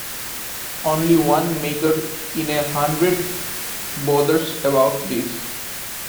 Only one maker in a hundred bothers about this.